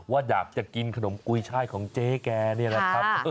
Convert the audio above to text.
ว่าอยากจะกินขนมกุยช่ายของเจ๊แกนี่แหละครับ